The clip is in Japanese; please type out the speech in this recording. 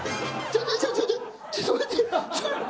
ちょっと待って。